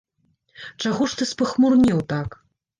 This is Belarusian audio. Чаго ж ты спахмурнеў так?